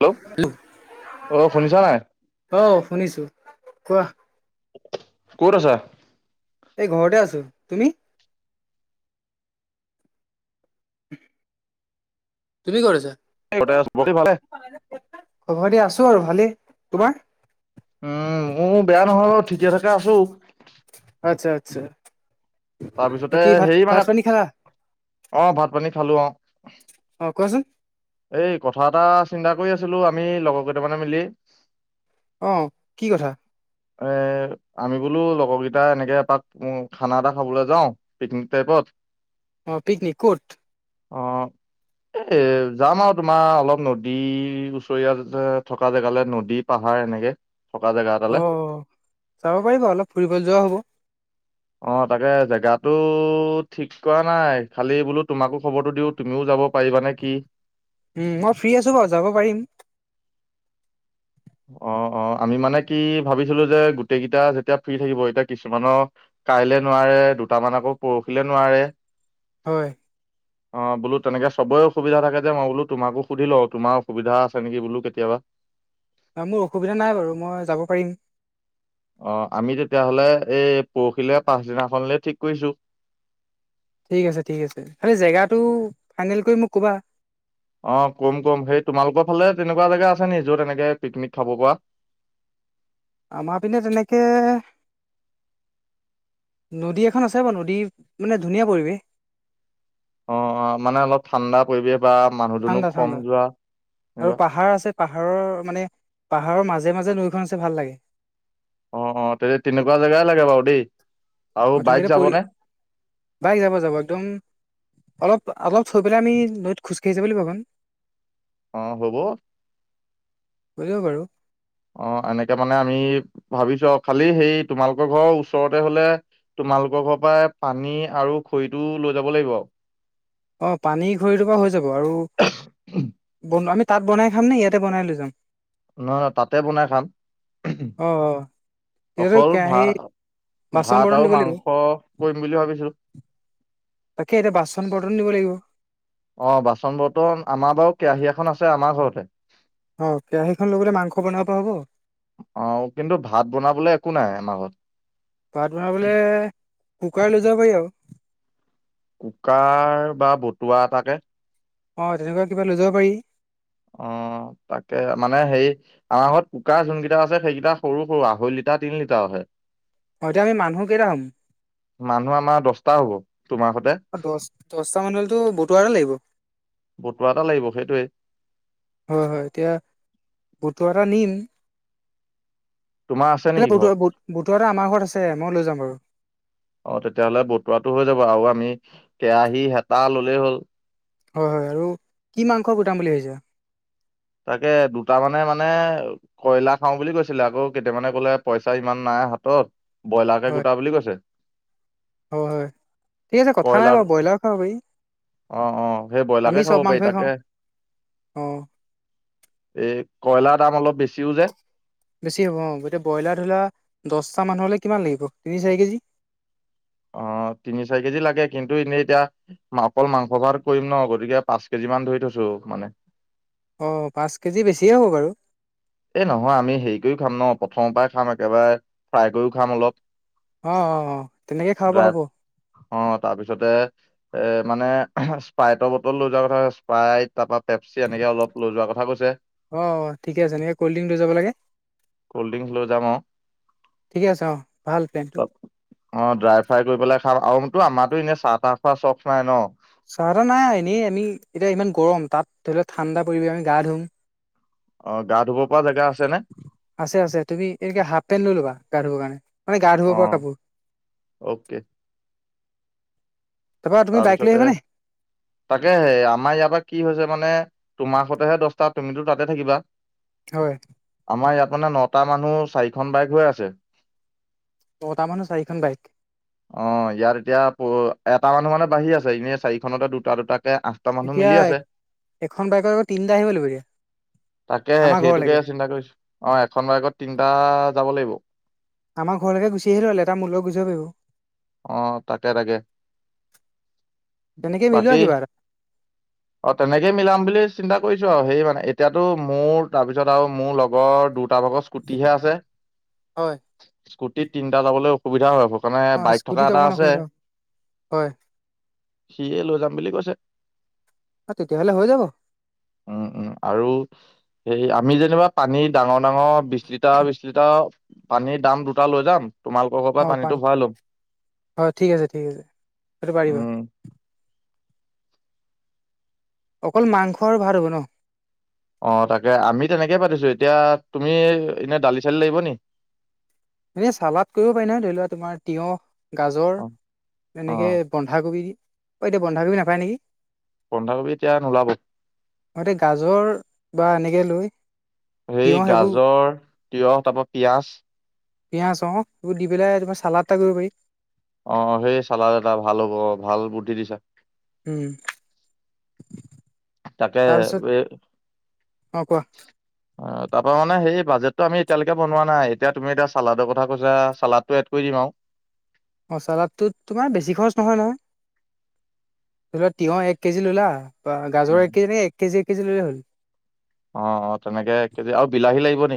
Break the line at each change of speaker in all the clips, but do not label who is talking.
Hello, অ', শুনিছা নাই?
অ', শুনিছো। কোৱা।
ক'ত আছা?
এই ঘৰতে আছো, তুমি? তুমি ক'ত আছা?
ঘৰতে আছো [unintelligible]
ঘৰতে আছো আৰু ভালেই, তোমাৰ?
উম, বেয়া নহয় বাৰু ঠিকে থাকে আছো।
আচ্ছা আচ্ছা,
তাৰপিছতে
বাকী ভাত
হেৰি মানে
ভাত পানী খালা?
অ', ভাত পানী খালো অ'।
অ', কোৱাচোন।
এই কথা এটা চিন্তা কৰি আছিলোঁ আমি লগৰ কেইটামানে মিলি।
অ', কি কথা?
এ আমি বোলো লগৰকেইটা এনেকে এপাক খানা এটা খাবলৈ যাওঁ পিকনিক টাইপত
অ', পিকনিক ক'ত?
অ'। এ যাম আৰু তোমাৰ অলপ নদী ওচৰীয়া আ থকা জেগালে, নদীত পাহাৰ এনেকে, থকা জেগা
অ
এটালে।
যাব পাৰি বাৰু অলপ ফুৰিবলৈ যোৱা হ'ব।
অ তাকে জেগাটো ঠিক কৰা নাই, খালি বোলো তোমাকো খবৰটো দিওঁ তুমিও যাব পাৰিবানে কি?
উম, মই ফ্ৰী আছো বাৰু যাব পাৰিম।
অ', অ', আমি মানে কি ভাবিছিলো যে গোটেইকেইটা যেতিয়া ফ্ৰী থাকিব এতিয়া কিছুমানৰ কাইলে নোৱাৰে দুটামান আকৌ পৰহিলে নোৱাৰে।
হয়।
[inaudible] অ', বোলো তেনেকে চবৰে অসুবিধা থাকে যে মই বোলো তোমাকো সুধি লওঁ তোমাৰ অসুবিধা আছে নিকি বোলো কেতিয়াবা।
ন মোৰ অসুবিধা নাই বাৰু মই যাব পাৰিম।
অ', আমি তেতিয়াহ'লে এই পৰহিলৈ পাছদিনাখনলে ঠিক কৰিছো।
ঠিক আছে ঠিক আছে, খালি জেগাটো ফাইনেল কৰি মোক ক'বা।
অ', কম কম, সেই তোমালোকৰ ফালে তেনেকুৱা জেগা আছে নি য'ত এনেকে পিকনিক খাব পৰা।
আমাৰ পিনে তেনেকে নদী এখন আছে বাৰু নদী মানে ধুনীয়া পৰিৱেশ।
অ', অ', মানে অলপ ঠাণ্ডা পৰিৱেশ বা মানুহ
ঠাণ্ডা
দুনোহ কম
ঠাণ্ডা
যোৱা
আৰু
এনেকুৱা।
পাহাৰ আছে পাহাৰৰ মানে পাহাৰৰ মাজে মাজে নৈখন আছে ভাল লাগে।
অ', অ', তেতিয়া তেনেকুৱা জেগাই লাগে বাৰু দেই। আৰু
অ', তুমি
বাইক
এতিয়া পৰি
যাবনে
বাইক যাব যাব একদম অলপ অলপ থৈ পেলাই আমি নৈত খোজকাঢ়িছা বুলি ভাব
অ', হ'ব।
বুজিব [unintelligible] বাৰু
অ', এনেকে মানে আমি ভাবিছো আৰু, খালি হেই তোমালোকৰ ঘৰৰ ওচৰতে হ'লে তোমালোকৰ ঘৰৰ পৰা পানী আৰু খৰিটো লৈ যাব লাগিব।
অ', পানী খৰিটো বাৰু হৈ যাব, আৰু ব আমি তাত বনাই খাম নে ইয়াতে বনাই লৈ যাম?
নহয় নহ তাতে বনাই খাম।
অ অ তেতিয়াতো
অকল
কেৰাহী
ভাত
বাচন
ভাত
বৰ্তন
আৰু
দিব লাগিব
মাংস কৰিম বুলি ভাবিছিলো।
তাকে এতিয়া বাচন বৰ্তন নিব লাগিব।
অ', বাচন বৰ্তন আমাৰ বাৰু কেৰাহী এখন আছে আমাৰ ঘৰতে।
অ', কেৰাহীখন লৈ গ'লে মাংস বনাব পৰা হ'ব।
অ', কিন্তু ভাত বনাবলৈ একো নাই আমাৰ ঘৰত।
ভাত বনাবলে কুকাৰ লৈ যাব পাৰি আৰু।
কুকাৰ বা বতুৱা এটাকে।
অ', তেনেকুৱা কিবা লৈ যাব পাৰি।
অ', তাকে মানে হেই আমাৰ ঘৰত কুকাৰযোন কেইটা আছে সেইকেইটা সৰু সৰু আঢ়ৈ লিটাৰ তিনি লিটাৰহে।
অ এতিয়া আমি মানুহ কেইটা হ'ম
মানুহ আমাৰ দছটা হ'ব, তোমাৰ সতে।
অ দহ দহটা মানুহলেতো বতোৱা এটা লাগিব।
বতুৱা এটা লাগিব সেইটোৱে।
হয় হয় এতিয়া বতুৱা এটা নিম
তোমাৰ আছে
এ
নেকি ঘৰত?
বতু-বতুৱা এট আমাৰ ঘৰত আছে, মই লৈ যাম বাৰু।
অ', তেতিয়াহ'লে বটুৱাটো হৈ যাব আৰু আমি কেৰাহী, হেঁতা ল'লেই হ'ল।
হয় হয়, আৰু কি মাংস গুটাম বুলি ভাবিছা?
তাকে দুটামানে মানে কয়লা খাওঁ বুলি কৈছিলে আকৌ কেইটামানে ক'লে পইচা ইমান নাই হাতত ব্ৰইলাৰ কে
হয়
গোটা বুলি কৈছে।
হয় হয়, ঠিক আছে কথা নাই
কয়লাৰ
বাৰু ব্ৰইলাৰো খাব পাৰি।
অ', অ', সেই
আমি
ব্ৰইলাৰকে
চব
খাব পাৰি
মাংসই খাওঁ
তাকে।
অ
এই কয়লাৰ দাম অলপ বেছিও যে।
বেছি হ'ব অ', গতিকে ব্ৰইলাৰ ধৰা দহটা মানুহলৈ কিমান লাগিব তিনি চাৰি কেজি।
অ', তিনি চাৰি কেজি লাগে কিন্তু এনেই এতিয়া অকল মাংস ভাত কৰিম ন', গতিকে পাঁচ কেজি মান ধৰি থৈছো মানে।
অ', পাঁচ কেজি বেছিয়ে হ'ব বাৰু।
এই নহয় আমি হেৰি কৰিও খাম ন', প্ৰথমৰ পৰা খাম একেবাৰে ফ্ৰাই কৰিও খাম অলপ।
অ', অ', অ', তেনেকে খাব পৰা
ড্ৰাই
হ'ব।
অ', তাৰপিছতে এ মানে স্পাইটৰ বটল লৈ যোৱা কথা, স্পাইট তাৰপৰা পেপচি এনেকে অলপ লৈ যোৱাৰ কথা কৈছে।
অ', ঠিকে আছে এনেকে কলড্ৰিংক লৈ যাব লাগে।
কল্ড ড্ৰিংক লৈ যাম অ'
ঠিকে আছে অ ভাল প্লেনটো
অ', ড্ৰাই ফ্ৰাই কৰি পেলাই খাম আৰু তো আমাৰো এনেই চাহ তাহ খোৱা চখ নাই ন'।
চাহ তাহ নাই এনেই আমি এতিয়া ইমান গৰম তাত ধৰি লওক ঠাণ্ডা পৰিৱেশ আমি গা ধুম।
অ', গা ধুব পৰা জেগা আছে নে?
আছে আছে, তুমি এনেকে হাফ পেণ্ট লৈ ল'বা গা ধুবৰ কাৰণে। মানে গা ধুব
অ
পৰা কাপোৰ।
অ'কে
তাৰপৰা তুমি বাইক লৈ
তাৰপিছতে
আহিবানে?
তাকেহে আমাৰ ইয়াৰ পৰা কি হৈছে মানে তোমাৰ সতেহে দহটা তুমিতো তাতে থাকিবা।
হয়।
আমাৰ ইয়াত মানে নটা মানুহ চাৰিখন বাইক হৈ আছে
নটামানুহ চাৰিখন বাইক।
অ', ইয়াত এতিয়া প এটা মানুহ মানে বাঢ়ি আছে, এনেই চাৰিখনতে দুটা দুটাকে আ
এতিয়া এখন বাইকৰ আকৌ তিনিটা আহিব লাগিব, এতিয়া
তাকে
আমাৰ
সেইটোকে
ঘৰলৈকে।
চিন্তা কৰিছো, অ' এখন বাইকত তিনটা যাব লাগিব।
আমাৰ ঘৰলৈকে গুচি আহিলে হ'ল, এটা মূৰ লগত গুচি
অ
[unintelligible] পাৰিব।
তাকে তাকে
তেনেকে মিলোৱা
বাকী
কিবা এটা।
অ', তেনেকে মিলাম বুলি চিন্তা কৰিছো আৰু, সেই মানে এতিয়াতো মোৰ তাৰপিছত আৰু মোৰ লগৰ দুটা ভাগত স্কুটিহে আছে,
হয়,
স্কুটিত তিনটা যাবলে সুবিধা হ'ব, মানে
অ'
বাইক থকা
স্কুটিত
এটা
অকণমান
আছে।
অসুবিধা হ'ব। হয়,
সিয়ে লৈ যাম বুলি কৈছে।
তেতিয়া হ'লে হৈ যাব।
উম, উম, আৰু সেই আমি যেনিবা পানী ডাঙৰ ডাঙৰ বিশ লিটাৰ বিশ লিটাৰ পানীৰ দাম দুটা লৈ যাম, তোমা পৰ পৰা
অ' পান
পানীটো ভৰা লম,
হয় ঠিক আছে ঠিক আছে সেইটো পাৰিবা।
উম।
অকল মাংস আৰু ভাত হ'ব নহ।
অ', তাকে আমি তেনেকে পাতিছো, এতিয়া তুমি এনেই দালি চালি লাগিব নি?
এনেই চালাদ কৰিব পাৰিলা হয়, ধৰি লোৱা তোমাৰ তিয়হ,
অ
গাজৰ
অ
এনেকে বন্ধাকবি অ', এতিয়া বন্ধাকবি নাপায় নেকি?
বন্ধাকবি এতিয়া নোলাব।
মই এতিয়া গাজৰ বা এনেকে লৈ
সেই
তিয়ঁহ সেইবোৰ
গাজৰ, তিঁয়হ তাৰাপৰা পিয়াজ
পিঁয়াজ অ', এইবোৰ দি পেলাই তোমাৰ চালাদ এটা কৰিব পাৰি।
অ', সেই চালাদ এটা ভাল হ'ব, ভাল বুদ্ধি দিছা।
উম।
তাকে
তাৰপিছত
অ'।
অ কোৱা
অ', তাৰপৰা মানে সেই বাজেটটো আমি এতিয়ালৈকে বনোৱা নাই, এতিয়া তুমি এতিয়া চালাদৰ কথা কৈছা চালাদটো এড কৰি দিম আৰু।
চালাদটোত তোমাৰ বেছি খৰচ নহয় নহয়, ধৰি লোৱা তিঁয়হ এক কেজি ল'লা বা গাজৰ কেজি নে এক কেজি, কেজি ললে হ'ল।
অ', অ', তেনেকে এক কেজি আৰু বিলাহী লাগিব নি।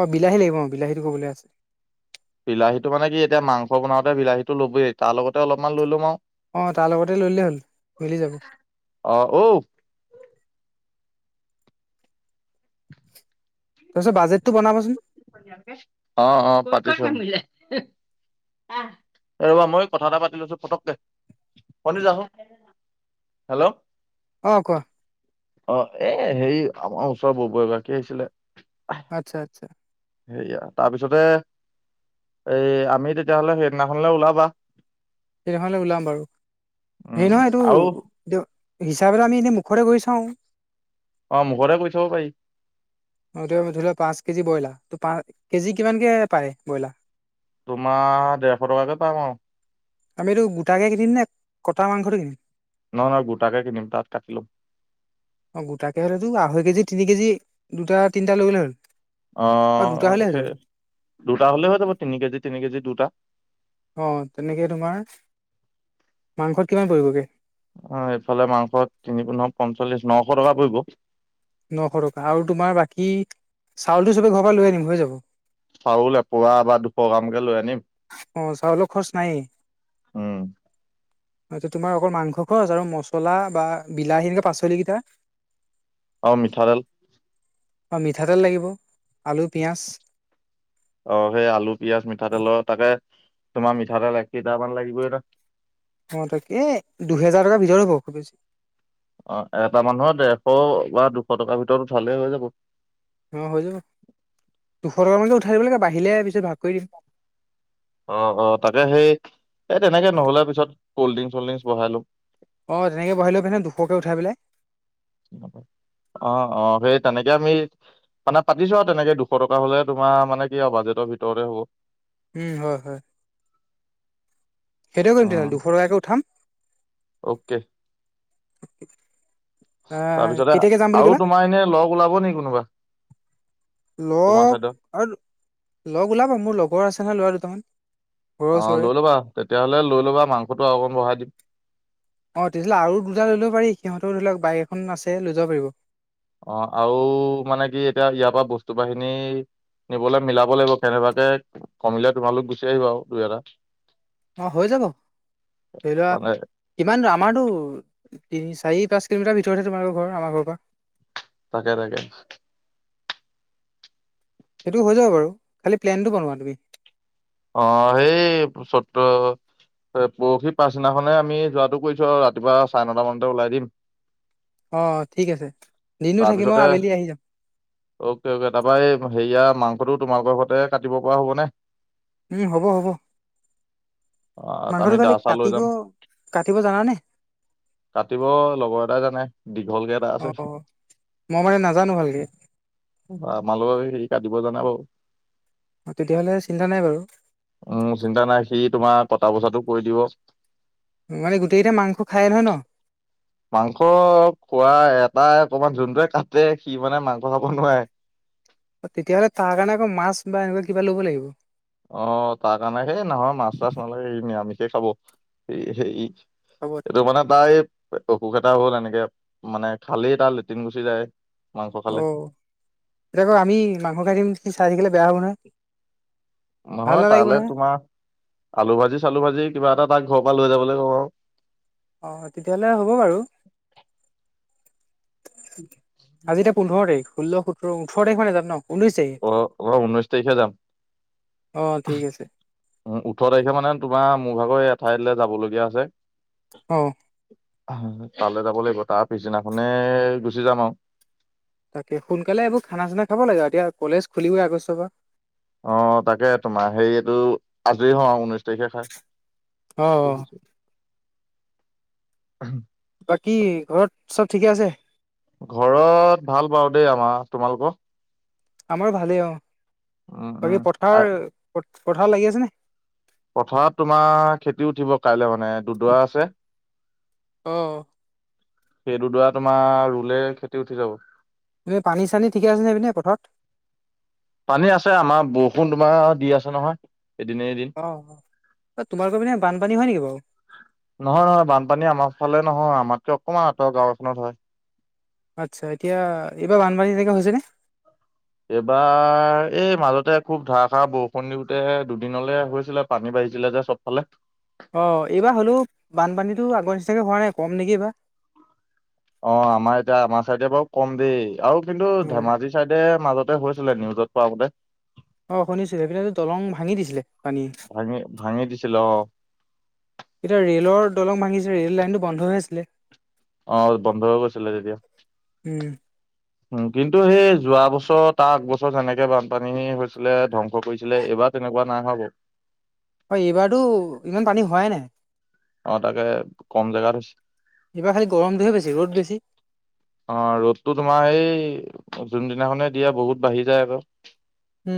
অ', বিলাহী লাগিব অ' বিলাহীটো ক'বলৈ আছে।
বিলাহীতো মানে কি এতিয়া মাংস বনাওঁতে বিলাহীটো লবই, তাৰ লগতে অলপমান লৈ ল'ম আৰু।
অ', তাৰ লগতে লৈলেই হ'ল, মিলি যাব।
অ', ঔ।
তাৰপিছে বাজেটটো বনাবচোন।
অ', অ', পাতিছো। এই ৰবা মই কথা এটা পাতি লৈছো পতককে। [unintelligible] যাহ হেল্ল'।
অ', কোৱা?
অ', এ হেৰি আমাৰ ওচৰৰ [unintelligible] এগৰাকি আহিছিলে।
আচ্ছা, আচ্ছা।
সেয়া তাৰপিছতে, এই আমি তেতিয়াহ'লে সেইদিনাখনলে ওলাবা।
সেইদিনাখনলে ওলাম বাৰু, হেৰি
উম
নহয়
আৰু
এইটো হিচাপে এটা আমি এনে মুখৰে কয় চাও।
অ', মুখতে কৈ চাব পাৰি।
অ', এতিয়া ধৰি লোৱা পাঁচ কেজি ব্ৰইলাৰ তো পাঁচ কেজি কিমানকৈ পাৰে ব্ৰইলাৰ।
তোমাৰ দেৰশ টকাকে পাম আৰু।
আমি এইটো গোটাকে কিনিম নে, কটা মাংসটো কিনিম?
নহয় নহয় গোটাকে কিনিম, তাত কাটি লম।
অ', গোটাকে হ'লেতো আঢ়ৈ কেজি, তিনি কেজি দুটা তিনটা লৈ গ'লে হ'ল। দুটা
অ',
হ'লে হৈ
সেই
যাব
দুটা হ'লে হৈ যাব, তিনি কেজি তিনি কেজি দুটা।
অ', তেনেকে তোমাৰ, মাংসত কিমান পৰিবগে।
অ' এইফালে মাংস তিনি পোন্ধ পঞ্চল্লিশ নশ টকা পৰিব।
নশ টকা, আৰু তোমাৰ বাকী চাউলটো চবে ঘৰ পৰা লৈ আনিম হৈ যাব।
চাউল এ পোৱা বা দুশ গ্ৰামকে লৈ আনিম
অ' চাউলৰ খৰচ নাইয়ে।
উম
আচ্ছা টো তোমাৰ অকল মাংস খৰছ আৰু মছলা বা বিলাহী সেনেকে পাচলি কেইটা
আৰু মিঠাতেল।
অ' মিঠাতেল লাগিব আলু পিঁয়াজ
অ' সেই আলু পিঁয়াজ মিঠাতেলৰ তাকে তোমাৰ মিঠাতেল এক লিটাৰমান লাগিবই ন
অঁ তাকে দুহেজাৰ টকাৰ ভিতৰত হ'ব খুব বেছি।
অ' এটা মানুহৰ ডেৰশ বা দুশ টকাৰ ভিতৰত উঠালেই হৈ যাব।
অঁ হৈ যাব, দুশ টকাকৈ উঠাই দিব লাগে বাহিলে পিছত ভাগ কৰি দিম।
অ', অ' তাকে সেই এই তেনেকে নহ'লে পিছত ক'ল্ড ড্ৰিংক চল্ড ড্ৰিংক বহাই ল'ম।
অঁ তেনেকৈ বহাই ল'ব পাৰি নহয় দুশকৈ উঠাই পেলাই।
অ', অ' সেই তেনেকে আমি মানে পাতিছো আৰু তেনেকে দুশ টকা হ'লে তোমাৰ মানে কি আৰু বাজেটৰ ভিতৰতে হ'ব।
উম, হয়, হয়। সেইতোৱে কৰিম তেনে,
উম
দুশটকাকৈ উঠাম
অ'কে।
[unintelligible] আহ
তাৰপিছতে
কেতিয়াকে যাম বুলি
আৰু
ক'লা
তোমাৰ এনে লগ ওলাব নেকি কোনোবা? তোমাৰ
লগ
চাইডৰ?
আৰু লগ ওলাব, মোৰ লগৰ আছে ন ল'ৰা দুটামান। ঘৰৰ
অ'
ওচৰৰে
লৈ ল'বা তেতিয়াহ'লে লৈ ল'বা মাংসটো অকণ বঢ়াই দিম।
অ', তেতিয়াহ'লে আৰু দুটা লৈ লব পাৰি, সিহঁতেও ধৰি লওক বাইক এখন আছে লৈ যাব পাৰিব।
অ', আৰু মানে কি এতিয়া ইয়াৰ পৰা বস্তু বাহিনী নিবলৈ মিলাব লাগিব, কেনেবাকে কমিলে তোমালোক গুচি আহিবা আৰু দুই এটা।
অ' হৈ যাব, ধৰি লোৱা
মানে
কিমান দুৰ? আমাৰতো তিনি চাৰি পাঁচ কিলোমিটাৰ ভিতৰতহে তোমালোকৰ ঘৰ আমাৰ ঘৰ পৰা।
তাকে তাকে।
সেইটো হৈ যাব বাৰু, খালি প্লেনটো বনোৱা তুমি।
অ' সেই ছট পৰহি পাছদিনাখনে আমি যোৱাটো কৰিছো, আৰু ৰাতিপুৱা চাৰে নটামানতে ওলাই দিম।
অ' ঠিক আছে, দিনতো থাকিম মই
তাৰপিছতে
আবেলি আহি যাম।
অ'কে অ'কে তাৰপৰা এই হেৰিয়া মাংসটো তোমালোকৰ ঘৰতে কাটিব পৰা হ'ব নে?
উম, হ'ব হ'ব।
আ, আমি
মাংসটো
দা
খালি
চা লৈ
কাটিব
যাম
কাটিব জানানে?
কাটিব, লগৰ এটাই জানে দীঘলকে দা
অ
আছে।
মই মানে নাজানো ভালকে।
আমাৰ লগৰ হেৰি কাটিব জানে বাৰু।
তেতিয়াহ'লে চিন্তা নাই বাৰু।
উম, চিন্তা নাই সি তোমাৰ কটা বচাটো কৰি দিব।
মানে গোটেই কেইটাই মাংস খাইয়ে নহয় ন?
মাংস খোৱা এটাই অকমান যোনটোৱে কাটে সি মানে মাংস খাব নোৱাৰে।
তেতিয়াহ'লে তাৰ কাৰণে আকৌ মাছ বা এনেকুৱা কিবা ল'ব লাগিব।
অ', তাৰ কাৰণে সেই নহয় মাছ তাছ নালাগে এই নিৰামিষে খাব। এই হে
হ'ব।
সেইটো মানে তাৰ অসুখ এটা হ'ল এনেকে মানে খালেই তাৰ লেট্ৰিন গুচি যায়। মাংস খালে
অ', এতিয়া আক আমি মাংস খাই থাকিম সি চাই থাকিলে বেয়া হ'ব নহয়। ভাল
নহয়
নালাগিব
তালৈ তোমাৰ আলু ভাজি চালু ভাজি কিবা এটা তাক ঘৰৰ পৰা লৈ যাবলৈ ক'ম আৰু।
অঁ', তেতিয়াহ'লে হ'ব বাৰু। আজি এতিয়া পোন্ধৰ তাৰিখ, ষোল্ল সোতৰ ওঠৰ তাৰিখ মানে যাম ন? ঊনৈছ তাৰিখ
অ', অ', ঊনৈছ তাৰিখে যাম।
অ ঠিক আছে
উম, ওঠৰ তাৰিখে মানে তোমাৰ মোৰ ভাগৰ এঠাইলৈ যাবলগীয়া আছে।
অ'।
তালৈ যাব লাগিব, তাৰ পিছদিনাখনে গুচি যাম আৰু।
তাকে সোনকালে এইবোৰ খানা চানা খাব লাগে, আৰু এতিয়া কলেজ খুলিবই আগষ্টৰ পৰা।
অ', তাকে তোমাৰ হেৰিটো আজৰি হও ঊনৈশ তাৰিখে খাই,
অ অ
পিছ [inaudible]
বাকী ঘৰত চব ঠিকে আছে?
ঘৰত ভাল পাও দেই, আমাৰ তোমালোকক।
আমাৰ ভালেই অ'
উম উম
বাকী
আ
পথাৰ-পথাৰ লাগি আছে নে।
পথাৰত তোমাৰ খেতি উঠিব কাইলৈ মানে দুদৰা আছে।
অ'।
সেইটো দৰা তোমাৰ ৰুলে খেতি উঠি যাব।
এই পানী চানী ঠিক আছেনে, এই পিনে পথাৰত।
পানী আছে আমাৰ, বৰষুণ তোমাৰ দি আছে নহয়। এদিনে এদিন
অ', এ তোমালোকৰ পিনে বানপানী হয় নেকি বাৰু?
নহয়, বানপানী আমাৰ ফালে নহয়। আমাতকে অকণমান আঁতৰ গাঁওখনত হয়।
আচ্ছা, এতিয়া এইবাৰ বানপানী [unintelligible] হৈছেনে।
এইবাৰ, এই মাজতে খুব ধাৰষাৰ বৰষুণ দিওতেহে দুদিনলে হৈছিলে। পানী বাঢ়িছিলে চব ফালে।
অ', এইবাৰ হ'লেও বানপানীতো আগৰ নিচিনাকৈ হোৱা নাই, কম নেকি এইবাৰ।
অ', আমাৰ এতিয়া আমাৰ চাইডে বাৰু কম দেই, আৰু কিন্তু
অ
ধেমাজি চাইডে মাজতে হৈছিলে, নিউজত পোৱামতে।
অ', শুনিছো সেইপিনেটো দলং ভাঙি দিছিলে পানী।
ভাঙি ভাঙি দিছিলে অ'
এতিয়া ৰে'লৰ দলং ভাঙিছে, ৰেল লাইনটো বন্ধ হৈ আছিলে।
অ', বন্ধ হৈ গৈছিলে তেতিয়া।
উম।
উম, কিন্তু সেই যোৱা বছৰ তাৰ আগবছৰ যেনেকে বানপানী হৈছিলে ধ্বংস কৰিছিলে, এইবাৰ তেনেকুৱা নাই হোৱা বাৰু।
হয়, এইবাৰতো ইমান পানী হোৱাই নাই।
অ', তাকে কম জেগাত হৈছে।
এইবাৰ খালি গৰমটোহে বেছি, ৰ'দ বেছি।
অ', ৰ'দটো তোমাৰ এই, যোনদিনাখনে দিয়ে বহুত বাঢ়ি যায় আকৌ।
উম